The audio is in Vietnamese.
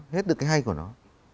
hết được cái hay của nó